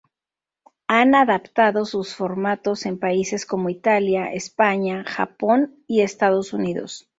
Han adaptado sus formatos en países como Italia, España, Japón y Estados Unidos.